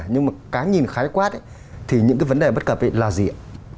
nhưng mà cá nhìn khai quát thì những cái vấn đề bất cập là gì ạ